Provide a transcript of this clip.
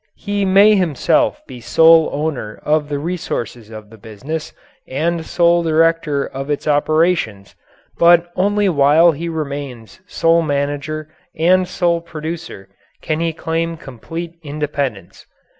He may himself be sole owner of the resources of the business and sole director of its operations, but only while he remains sole manager and sole producer can he claim complete independence.